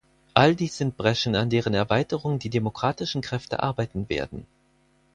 All dies sind Breschen, an deren Erweiterung die demokratischen Kräfte arbeiten werden.